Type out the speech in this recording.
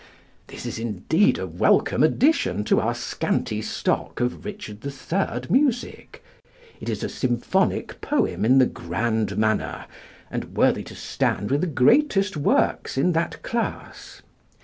This is indeed a welcome addition to our scanty stock of Richard III. music. It is a symphonic poem in the grand manner, and worthy to stand with the greatest works in that class.